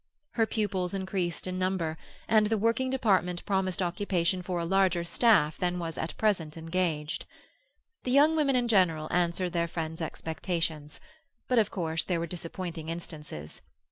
Her pupils increased in number, and the working department promised occupation for a larger staff than was at present engaged. The young women in general answered their friend's expectations, but of course there were disappointing instances.